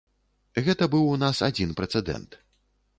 Гэта быў у нас адзін прэцэдэнт.